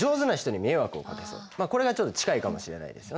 これがちょっと近いかもしれないですよね。